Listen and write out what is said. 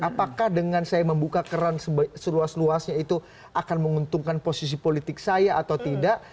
apakah dengan saya membuka keran seluas luasnya itu akan menguntungkan posisi politik saya atau tidak